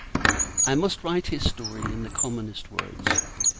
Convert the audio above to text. I must write his story in the commonest words.